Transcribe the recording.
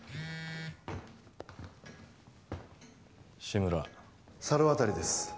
志村猿渡です